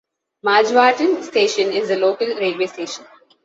Majavatn Station is the local railway station.